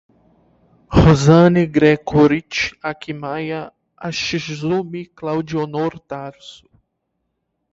Rosani Gregorutti Akiyama Hashizumi, Claudionor, Tarso